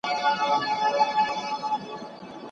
د سمندري بوټو زیاتوالی هم څېړل شوی.